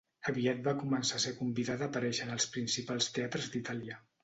Aviat va començar a ser convidada a aparèixer en els principals teatres d'Itàlia.